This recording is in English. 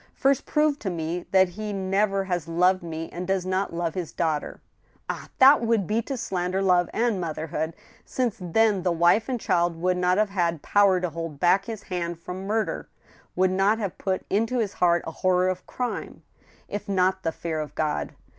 First prove to me that he never has loved me and does not love his daughter ! Ah ! that would be to slander love and motherhood, since then the wife and child would not have had power to hold back his hand from murder, would not have put into his heart a horror of crime, if not the fear of God.